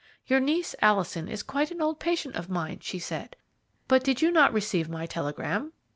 "'Your niece, Alison, is quite an old patient of mine,' she said; 'but did you not receive my telegram?'